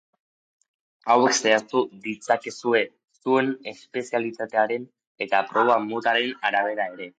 Hauek zehaztu ditzakezue zuen espezialitatearen eta proba motaren arabera ere.